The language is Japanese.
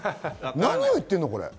何を言ってるのこれ。